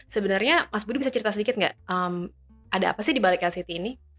sebenarnya mas budi bisa cerita sedikit nggak ada apa sih dibaliknya city ini